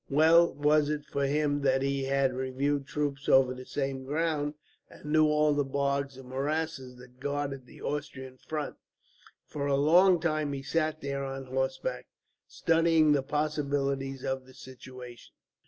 Well was it for him that he had reviewed troops over the same ground, and knew all the bogs and morasses that guarded the Austrian front. For a long time he sat there on horseback, studying the possibilities of the situation.